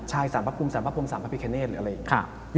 ใช่ศาลพระภูมิศาลพระภูมิศาลพระภิกรเนสอะไรอย่างนี้